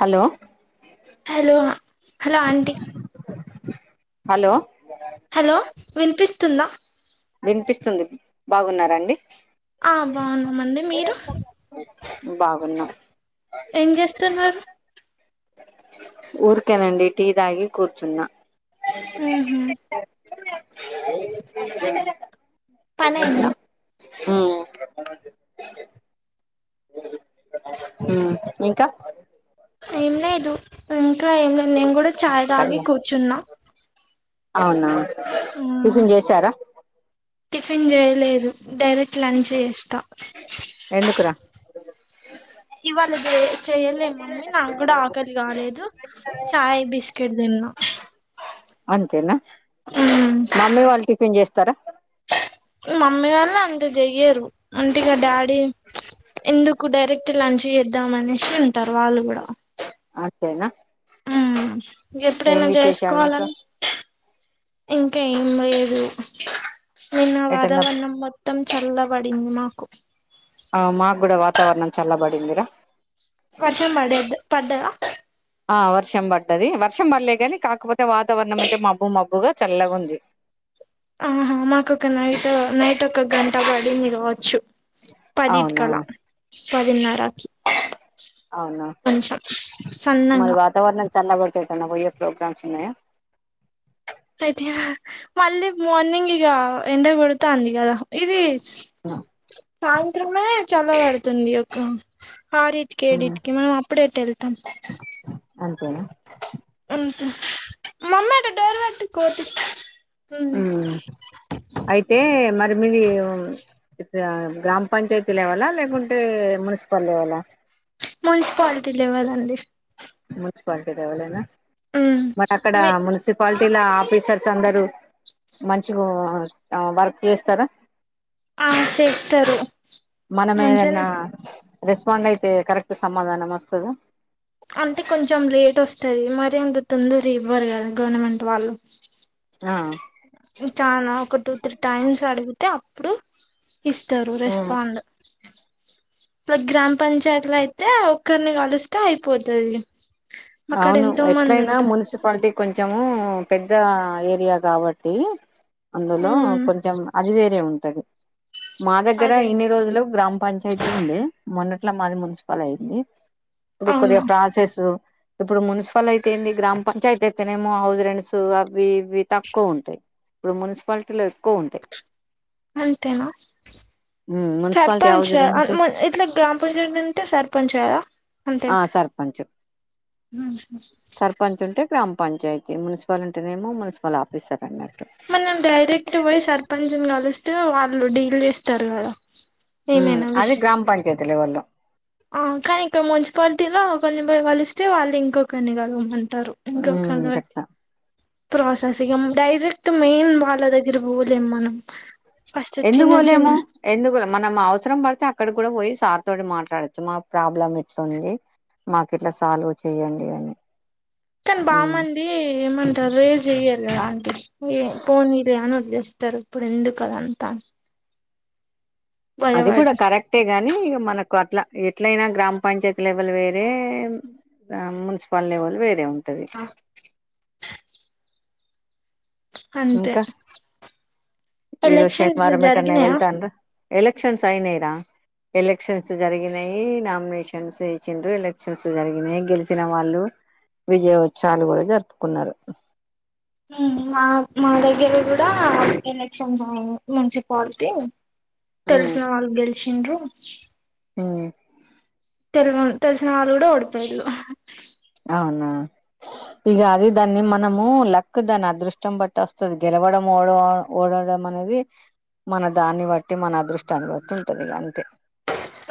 Hello hello hello aunty hello hello విన్పిస్తుందా విన్పిస్తుంది బాగున్నారాండి ఆ బాగున్నామండి మీరు బాగున్నా ఏం చేస్తున్నారు ఊర్కేనండి టీ దాగీ కూర్చున్నా ఉహు [inaudible] పనైందా ఉ ఇంకా ఏం లేదు ఇంకా ఏంలే నేన్గూడా చాయ్ తాగి కూర్చున్నా అవునా ఉమ్ టిఫన్ చేశారా టిఫిన్ చేయలేదు డైరెక్ట్ లంచ్చేస్తా ఎందుకురా ఇవ్వాళ చెయ్ చెయలే మమ్మీ నాక్కూడా ఆకలి కాలేదు చాయ్ బిస్కెట్ తిన్న అంతేనా ఉమ్ మమ్మీ వాళ్లు టిఫిన్ చేస్తారా మమ్మీ వాళ్ళు అంతా చెయ్యరు అంటిగా డ్యాడి ఎందుకు డైరెక్ట్ ఇప్పుడు లంచ్ చేద్దామనేషి ఉంటారు వాళ్ళు కూడా అత్తేనా ఆ ఎప్పుడైనా విశేషాలు ఇంకా చేస్కోవాలన్ ఇంకా ఏం లేదు నిన్న ఎటన్నా వాతావరణం మొత్త్ మొత్తం చల్లబడింది మాకు ఆ మాగ్కూడా వాతావరణం చల్లబడిందిరా వర్షం బడేద్ పడ్డదా ఆ వర్షం పడ్డది వర్షం పల్లేగాని కాక్పోతే వాతావరణం అయితే మబ్బు మబ్బుగా చల్లగా ఉంది ఆహా మాక్కొక నైట్ నైట్ ఒక గంట పడ్డింది కావోచ్చు అవునా పదిట్కాల పదినరకి అవునా కొంచం సన్నంగా చల్లబాడ్తే ఎట్టన్నా పోయే ప్రోగ్రామ్స్ ఉన్నాయా అయితే మళ్ళీ మార్నింగ్ ఇగ ఎండాకొడ్తాంది కదా ఇది అ సాయంత్రమే చల్లపడ్తుంది ఒక ఆర్రిట్కి మ్మ్ ఏడింట్కి మ అప్పుడేటేల్తం అంతేనా అంతే మమ్మీ అటు డైల్ పెట్టు ఉమ్ అయితే మరి మీది అయితే గ్రా గ్రామ్ పంచాయతీ లెవెల లేకుంటే మున్సిపల్ లెవెల మున్స్ పాల్టీ లెవాల్ అండి మున్స్పాల్టీ లెవెలేనా మరి అక్కడ మీ మున్సి క్వాల్టీల ఆఫీసర్స్ అందరు మంచిగు ఆ వర్క్ చేస్తారా ఆ చెత్తారు మనం ఏదన్నా రెస్పాండ్ అయితే కరెక్ట్ సమాధానం ఒస్తాదా అంటే కొంచం లేట్ ఒస్తాది మరి అంత తొందర్ ఇవ్వరు కదా గొర్నమెంట్ వాళ్ళు అ చాలా ఒక టూ త్రీ టైమ్స్ అడుగుతే అప్పుడు ఇస్తారు రెస్పాండ్ ఇట్లా గ్రామ్ పంచాయతీలు అయితే ఒక్కర్ని కలుస్తే అయిపోతాది అవ్ను ఎట్లయినా మున్సిపాల్టీ కొంచము పెద్ద ఏరియా కాబట్టి అందులో ఉమ్ కొంచం అది వేరే ఉంటది మా దగ్గర అదే ఇన్ని రోజులు గ్రామ్ పంచాయ్ ఉండే మొన్నట్లా మాది మున్సిపల్ అయింది ఇప్పుడు అవును కొద్దిగా ప్రాసెస్ సు ఇప్పుడు మున్సిపల్ అయితే ఏంది గ్రామ్ పంచాయతీ అయితేనేమో హౌస్ రెంట్స్ సు అవి ఇవి తక్కువ్ ఉంటాయి ఇప్పుడు మున్స్పాల్టీల అంతేనా మున్సిపాలిటీ సర్పంచ్ హౌస్ ఆ అన్ రెంట్ మల్ ఇట్లా గ్రామ్ పంచాయతీ ఉంటే సర్పంచ్ గదా ఆ సర్పంచు ఉహూ సర్పంచ్ ఉంటే గ్రామ్ పంచాయతీ మున్సిపల్ ఉంటేనేమో మున్సిపల్ ఆఫీసర్ అన్నట్టు మనం డైరెక్ట్ పోయి సర్పంచ్ ని కలిస్తే వాళ్ళు డీల్ చేస్తారు కదా ఉమ్ ఏమైనా అది విష్ గ్రామ్ పంచాయత్ లెవెల్లో ఆ కానీ ఇక్కడ్ మున్సిపాల్టీలో కొంచం పోయి కలిస్తే వాల్ ఇంకొకర్నిగాల్వమంటారు ఉమ్ ఇంకొకరు అని గట్లా ప్రోసెస్ ఇగ డైరెక్ట్ మెయిన్ వాళ్లదేగ్గరిక్ బొ లేమ్ మనం ఫస్ట్ చిన్న చిన్న ఎందుకురా మనం అవ్స్రం పడ్తే అక్కడ్ కూడా పోయి సార్ తోటి మాట్లాడచ్చు మా ప్రాబ్లం ఇట్లుంది మాక్ ఇట్లా సాల్వ్ చెయ్యండి అని కాని ఉమ్, బాగుమంది ఏమంటారు రేజ్ చెయ్యారు కదా ఆంటీ ఎ పోనిలే అని వదిలేస్తారు ఇప్పుడు ఎందుకు అదిఅంతా అది కూడా కరెక్ట్ ఎ గాని ఇగా మనకు అట్లా ఎట్లయినా గ్రామ పంచాయతీ లెవెల్ వేరే ఆమ్ మున్సిపల్ లెవెల్ వేరే ఉంటది అంతే ఇంకా ఈరోజు ఎలక్షన్స్ శనివారం ఏటన్న జరిగినాయా వెళ్తాన్రా ఎలక్షన్స్ అయినైరా ఎలక్షన్స్ జరిగినాయి నామినేషన్స్ ఎచ్చిన్రు ఎలక్షన్స్ జరిగినాయి గెలిసిన వాళ్ళు విజయోత్సవాలు కూడా జరుపుకున్నారు ఉమ్ మా మా దగ్గర కూడా ఎలక్షన్స్ అయినై మున్సిపాలిటీ ఉమ్, తెల్సనా వాల్ గెలిసింరు ఉమ్ తెలిన్ తెలిసిన వాళ్ళు కూడా ఓడిపోయళు అవునా ఇక అది దాన్ని మనము లక్ దాన్ని అదృష్టం బట్టి వస్తుంది గెలవడం ఓడవడంము ఓడడం అనేది మన దాన్ని బట్టి మన అదృష్టాన్ని బడుతుంటది ఇగ అంతే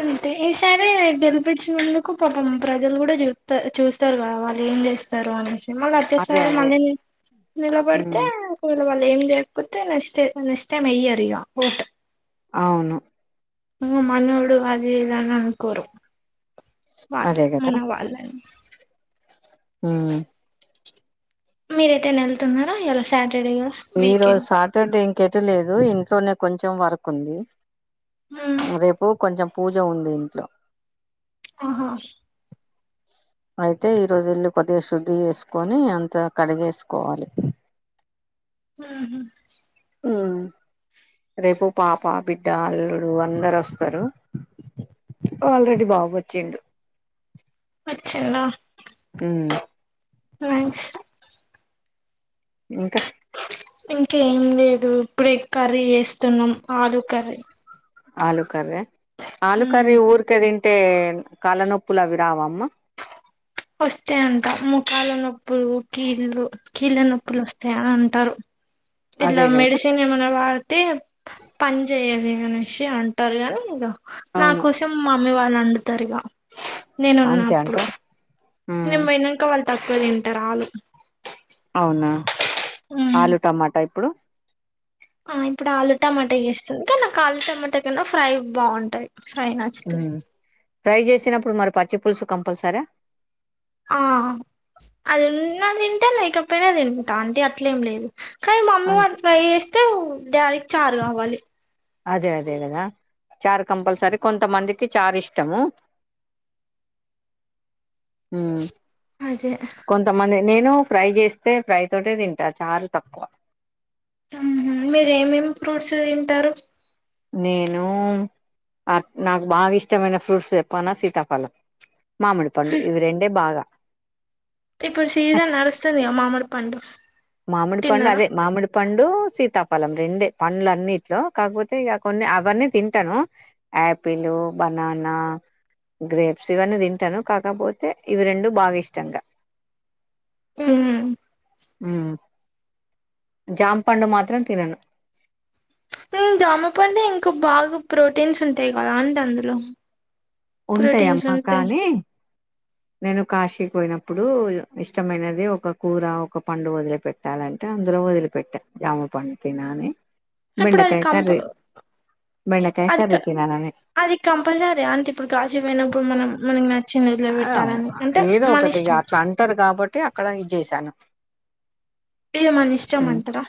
అంతే ఈసారి గెలిపించినందుకు పాపం ప్రజలు కూడా చూస్త చూస్త ఇస్తారు కదా వాళ్ళు ఏం చేస్తారు అనిసి మళ్ళ అదే అతిసారి అదే మళ్ళీ నిలబడితే ఉమ్ కూల వల్ల ఏం చేయకపోతే నెక్స్ట్ నెక్స్ట్ టైం ఎయ్యరు ఇగ ఓటు అవును ను మనోడు అదేద ఇది అనుకోరు వాళ్ళ అదే కదా మన వాళ్ళ హు మీరు ఎటైనా వెళ్తున్నారా ఈరోజు సాటర్డే గా ఈరోజు సాటర్డే ఇంకెటు లేదు ఇంట్లోనే కొంచెం వర్క్ ఉంది హ రేపు కొంచెం పూజ ఉంది ఇంట్లో ఆహా అయితే ఈ రోజు ఇల్లు కొద్దిగా శుద్ధి చేేసుకొని అంత కడిగేసుకోవాలి ఆ ఉమ్ రేపు పాప బిడ్డ అల్లుడు అందరు వస్తారు ఆల్రెడీ బాబు వచ్చిండు అచ్చిందా హు లైన్స్ ఇంకా ఇంకేం లేదు ఇప్పుడే కర్రీ చేస్తున్నాం ఆలు కర్రీ ఆలు కరే ఉమ్ ఆలుకర్రి ఊర్కె తింటే కాలనొప్పులు అవి రావమ్మ వస్తే అంటా ముఖాలనొప్పులు కీళ్ళు కీళ్ళ నొప్పులు వస్తాయా అని అంటారు ఇలా అదే కదా మెడిసిన్ ఏమైనా వాడితే పని చేయవు ఇగానుంచి అంటారు కదా మీరు నా అవును కోసం మమ్మీ వాళ్ళు వండుతారుగా అంతే నేనున్నప్పుడు అంటావ్ ఉమ్ మేను పోనాక వాళ్ళు తక్కువ తింటారుళ్ళు ఆలు అవునా ఉమ్ ఆలు టమాటా ఇప్పుడు ఆ ఇప్పుడు ఆలు టమాటా చేస్తుంది కానీ ఆలు టమాటా కన్నా ఫ్రై బాగుంటాయి ఫ్రై నచ్చ ఉ ఫ్రై చేసినప్పుడు మరి పచ్చి పులుసు కంపల్సరా ఆ అది ఉన్న తింటా లేకపోయినా తింటంటా అంటే అట్లేం లేదు కానీ మమ్మీ వాళ అంతే ఫ్రై చేస్తే డాడీకి చారు కావాలి అదే అదే కదా చార్ కంపల్సరీ కొంతమందికి చార్ ఇష్టము హూ అదే మళ్లీ నేను ఫ్రై చేస్తే ఫ్రై తోటే తింటా చారు తక్కువ ఉహు మీర ఏమేమి ఫ్రూట్స్ తింటారు నేను నాకు బాగా ఇష్టమైన ఫ్రూట్స్ చెప్పానా సీతాఫలం మామిడిపండు ఇవి రెండే బాగా ఇప్పుడు సీజన్ నడుస్తుంది గా మామిడిపండు మామిడి పండు అదే మామిడి పండు సీతాఫలెం రెండే పండ్లు అన్నిట్లో కాకపోతే ఇక కొన్ని అవన్నీ తింటాను యాపిల్ బనానా గ్రేప్స్ ఇవన్నీ తింటాను కాకపోతే ఇవి రెండు బాగా ఇష్టంగా ఉమ్ ఉ జాంపండు మాత్రం తినను జామపండు ఇంకా బాగ ప్రోటీన్స్ ఉంటాయి కదా అండి అందులో ప్రోటీన్స్ ఉంటాయమ్మా ఉంటాయి కానీ నేను కాశీ పోయినప్పుడు ఇష్టమైనది ఒక కూర ఒక పండు వదిలిపె ట్టాలంట అందులో వదిలిపెట్ట జామ పండు తిన అని ఇప్పుడు అది బెండకాయ కంప కరీ బెండకాయ్ అది కర్రీ తినని అది కంపల్సరీ అంటే ఇప్పుడు గాజు పోయినప్పుడు మనం మనం ఏదో ఒకటి అట్ల అంటారు కాబట్టి అక్కడ ఇది చేసాను ఇగ మన ఇష్టంమంటార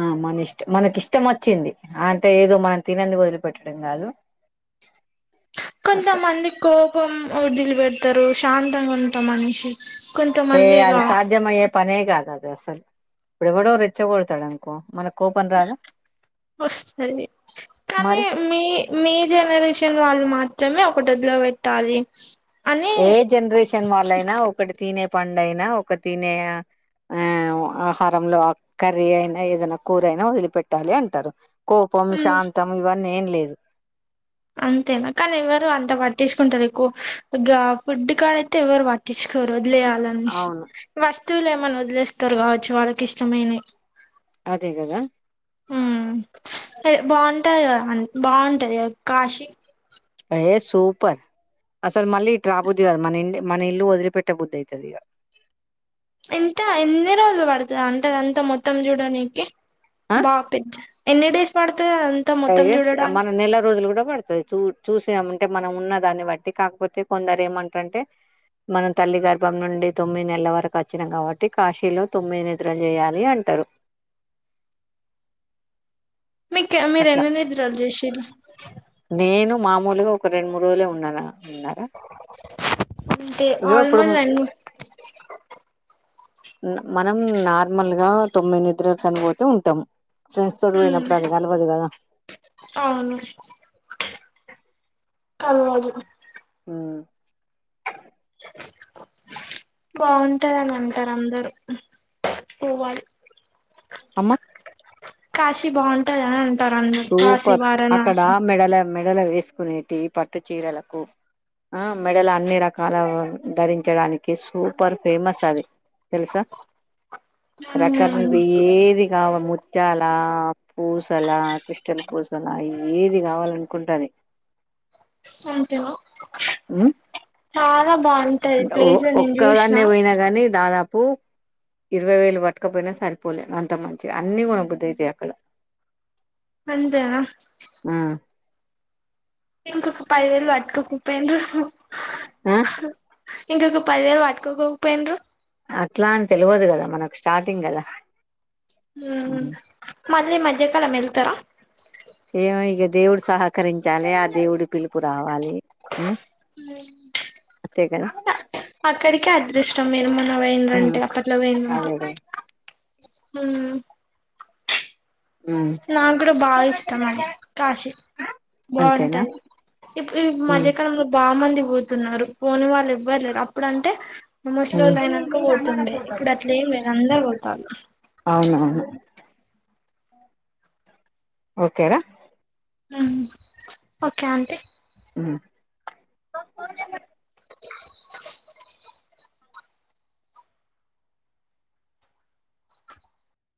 ఆ మన ఇష్ట మనకి ఇష్టం వచ్చింది అంటే ఏదో మనం [unintelligible] వదిలిపెట్టడం కాదు అట్లా కొంతమంది కోపం వదిలి పెడతారు శాంతం ఉంటాం మనిషి ఏ కొంతమంది ఇగ అది సాధ్యమయ్యే పనే కాదు అది అసలు ఇప్పుడు కూడ రెచ్చగొడతాడు మనకు కోపం రాదు వస్తది కానీ మరి మీ మీ జనరేషన్ వాళ్ళు మాత్రమే ఒకటి వదిలి పెట్టాలి అని ఏ జనరేషన్ వాళ్ళైన ఒకటి తినే పండు అయినా ఒక తినే ఆ ఆహారంలో కర్రీ అయిన ఏదైనా కూరయిన వదిలి పెట్టాలి అంటారు కోపం శాంతం ఇవన్నీ ఏం లేదు అంతేనా కానీ ఎవరు అంత పట్టించు కుంటారు ఎక్కువ ఫుడ్ కాడ అయితే ఎవరు పట్ట [unintelligible] వదిలేయాలని అవును వస్తువులు ఏమైనా వదిలేస్తారు కావచ్చు వాళ్ళకి ఇష్టమైనవి అదే కద బాగుంటాద బాగుంటాద కాశీ అయ సూపర్ అసలు మళ్ళీ ఇ ట రాబుద్ధది కదా మన ఇ మన ఇల్లు వదిలిపెట్టే బుద్ధి అవుతుది ఇగ ఎంత ఎన్ని రోజులు పడుతుంది అంటే ఆదంతామొత్తం చూడనికి ఆ బాగా పెద్ద ఎన్ని డేస్ పడుత అ మన నెల రోజులు కూడ పడతాయ్ చూ చూసామంటే మనం ఉన్న దాన్ని బట్టి కాకపోతే కొందరు ఏమంటారంటే మన తల్లి గర్భం నుండి తొమ్మిది నెలల వరకు వచ్చినాం కాబట్టి కాశీలో తొమ్మిది నిద్రలు చేయాలి అంటారు మీ మీరు అట్లా ఎన్ని నిద్రలు [unintelligible] నేను మామూలుగ ఒక రెండు మూడు రోజులే ఉన్నాను ఉన్నా [unintelligible] మనం నార్మల్ గా తొమ్మిది నిద్రలు కని పోతే ఉంటాము ఫ్రెండ్స్ తోటి ఉమ్ పోయినప్పుడు అది [unintelligible] అవును కలవదు ఉ బాగుంటందని అంటారు అందరు పోవాలి అమ్మా కాశీ బాగుంటంది అని అంటారు అందరు కాశీ సూపర్ అక్కడ వారణాసి మెడల మెడల వేసుకునేటి పట్టు చీరలకు ఆ మెడలు అన్ని రకాల ధరించడాని సూపర్ ఫేమస్ అది తెలుసా ఉమ్ [unintelligible] [unintelligible] ముత్యాల పూసల కిష్టల పూసలా అ ఏది కావాలనుకుంటే అది అంతేన ఓ చూసిన ఒక్కదాన్నే పొయినా గాని దాదాపు. ఇరవై వేలు పట్టకపోయినా సరిపోలే అంత మంచిగ అన్నీ కొనబద్దైతయి అక్కడా. అంతేనా ఆ ఇంకొక పది వేలు పట్టుక పోక పొయిండ్రు. ఆ ఇంకొక పదివేలు పట్టుకోకపోయిండ్రు. అట్లా అని తెలవదు గదా మనక్ స్టార్టింగ్ గదా. ఊఊ మళ్ళీ ఈ మధ్యకాలం వెళ్తరా. ఏమో ఇగ దేవుడు సహకరించాలే ఆ దేవుడి పిలుప్ అంతే కదా అక్కడికే అదృశ ష్టం మీరు మొన్నా పోయిన్ ఉమ్ రంటే అప్పట్లో పోయిన్ రంటే. అదే కదా ఉమ్ నాక్ గూడా బాగా ఇష్టం అండి కాశీ అంతేనా బాగుంటది ఇప్పుడు ఈ ఉమ్ మధ్యకాలంలో బా మంది పోతున్నారు పోని వాళ్ళు ఎవ్వర్లేరు అప్పుడంటే. ఉమ్ ముస్లోళ్ళు అయినంక పోతుండే ఇప్పుడు అట్లేం లేదు అందరు పోతాన్లు. అవునవును ఓకేరా ఓకే ఆంటీ ఉ